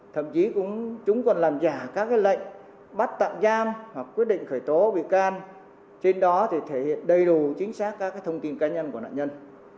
thậm chí chúng còn làm giả các lệnh bắt tạm giam hoặc quyết định khởi tố bị can trên đó thì thể hiện đầy đủ chính xác các thông tin cá nhân của nạn nhân